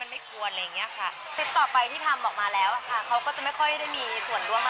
แล้วก็ตัดต่อก็ส่วนนึงค่ะแต่ว่ากิริยาทหัฐางเราต้องคิดมากกว่านี้ค่ะ